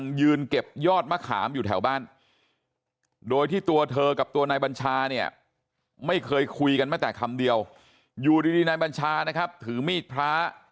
นายบัญชาเนี่ยไม่เคยคุยกันแม้แต่คำเดียวอยู่ดีนายบัญชานะครับถือมีดพระ